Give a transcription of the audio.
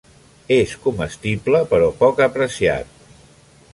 És comestible però poc apreciat.